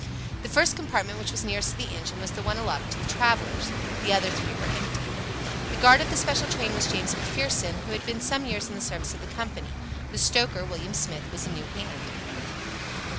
The first compartment, which was nearest to the engine, was the one allotted to the travellers. The other three were empty. The guard of the special train was James McPherson, who had been some years in the service of the company. The stoker, William Smith, was a new hand.